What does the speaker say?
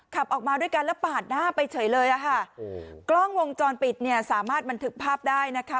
ขับออกมาด้วยกันแล้วปาดหน้าไปเฉยเลยอ่ะค่ะโอ้โหกล้องวงจรปิดเนี่ยสามารถบันทึกภาพได้นะคะ